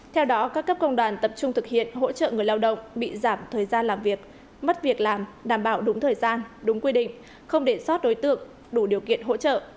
theo đó các cấp công đoàn tập trung thực hiện hỗ trợ người lao động bị giảm thời gian làm việc mất việc làm đảm bảo đúng thời gian đúng quy định không để sót đối tượng đủ điều kiện hỗ trợ